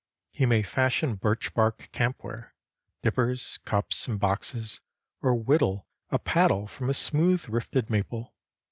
He may fashion birch bark camp ware, dippers, cups, and boxes, or whittle a paddle from a smooth rifted maple.